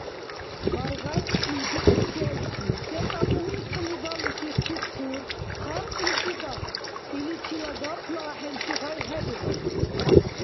Паргъатси, пикричевси, секӀал ункъли балуси тухтур халкьлис дигахъу, иличила гапла ахӀенси гъай хӀебуру.